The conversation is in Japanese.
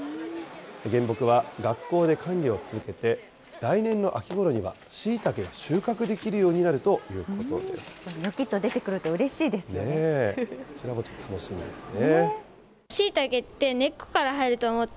原木は学校で管理を続けて、来年の秋ごろにはしいたけが収穫できにょきっと出てくるとうれしこちらもちょっと楽しみですね。